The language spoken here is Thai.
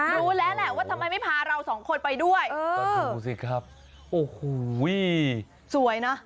รู้แล้วแหละว่าทำไมไม่พาเราสองคนไปด้วยก็ดูสิครับโอ้โหสวยนะ